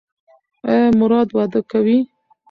ایا مراد واده کوي؟